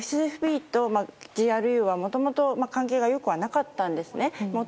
ＦＳＢとＧＲＵは、もともと関係が良くなかったんですね。